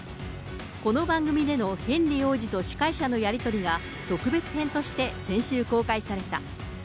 この番組でのヘンリー王子と司会者のやり取りが特別編として、先週公開された。